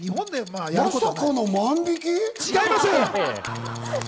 まさかの万引き？違います。